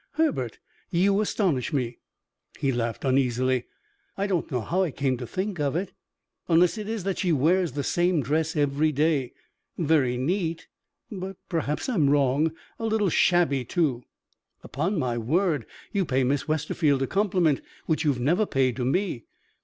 "Herbert, you astonish me." He laughed uneasily. "I don't know how I came to think of it unless it is that she wears the same dress every day. Very neat; but (perhaps I'm wrong) a little shabby too." "Upon my word, you pay Miss Westerfield a compliment which you have never paid to me!